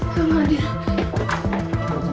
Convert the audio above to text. ya allah andin